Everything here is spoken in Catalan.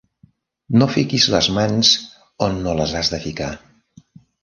No fiquis les mans on no les has de ficar.